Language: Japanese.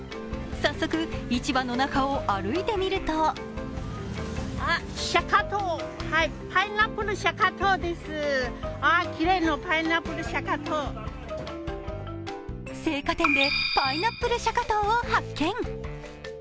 早速、市場の中を歩いてみると青果店でパイナップルシャカトウを発見。